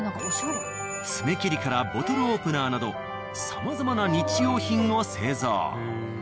爪切りからボトルオープナーなどさまざまな日用品を製造。